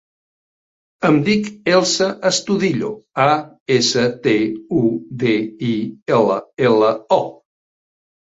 Em dic Elsa Astudillo: a, essa, te, u, de, i, ela, ela, o.